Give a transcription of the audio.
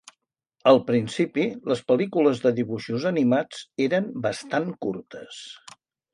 Al principi, les pel·lícules de dibuixos animats eren bastant curtes.